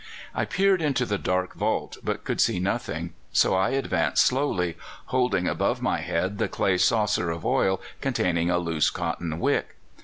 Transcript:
I peered into the dark vault, but could see nothing, so I advanced slowly, holding above my head the clay saucer of oil containing a loose cotton wick.